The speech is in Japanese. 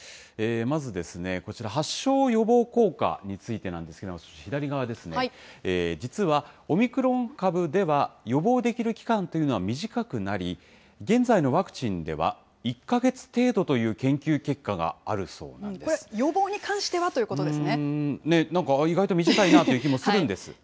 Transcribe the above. まずですね、こちら、発症予防効果についてなんですが、左側ですね、実はオミクロン株では、予防できる期間というのは短くなり、現在のワクチンでは１か月程度という研究結果があるそうなんこれ、予防に関してはという意外と短いなという気もするんです。